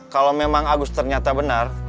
kalau memang agus ternyata benar